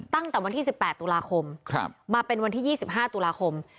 ตั้งแต่วันที่๑๘ตุลาคมมาเป็นวันที่๒๕ตุลาคม